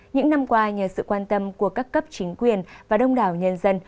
những năm qua nhờ sự quan tâm của các cấp chính quyền và đông đảo nhân dân